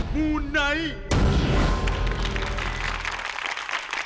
มูไนท์